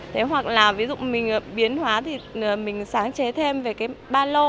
thế hoặc là ví dụ mình biến hóa thì mình sáng chế thêm về cái ba lô